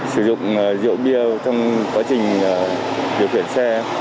sử dụng rượu bia trong quá trình điều khiển xe